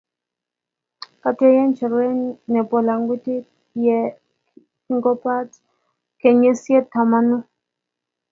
Kwatuyen chorwennyu nepo lakwandit ye kingopata kenyisyek tamanu.